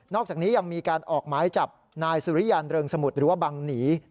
อกจากนี้ยังมีการออกหมายจับนายสุริยันเริงสมุทรหรือว่าบังหนี